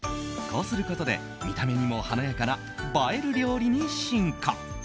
こうすることで見た目にも華やかな映える料理に進化。